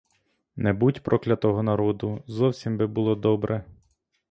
Не будь проклятого народу, зовсім би було добре.